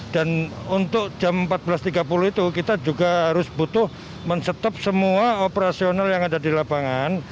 dan untuk jam empat belas tiga puluh itu kita juga harus butuh men stop semua operasional yang ada di labangan